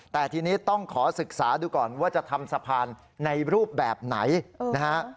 แต่ทีนี้ต้องขอศึกษาดูก่อนว่าจะทำสะพานในรูปแบบไหนนะฮะ